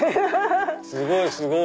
すごいすごい！